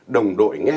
đồng đội nghe